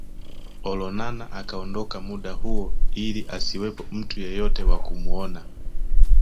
Olonana akaondoka muda huo ili asiwepo mtu yeyote wa kumuona